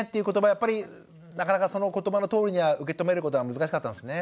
やっぱりなかなかその言葉のとおりには受け止めることは難しかったんですね。